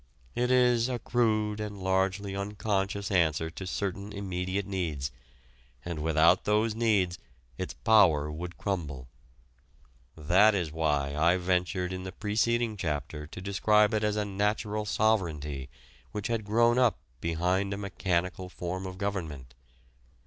It is a crude and largely unconscious answer to certain immediate needs, and without those needs its power would crumble. That is why I ventured in the preceding chapter to describe it as a natural sovereignty which had grown up behind a mechanical form of government.